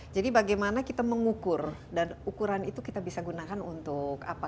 jadi bagaimana kita mengukur dan ukuran itu kita bisa gunakan untuk apa